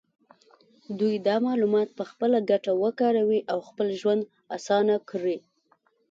دوی دا معلومات په خپله ګټه وکاروي او خپل ژوند اسانه کړي.